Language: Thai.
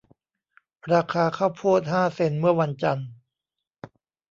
ราคาข้าวโพดห้าเซ็นต์เมื่อวันจันทร์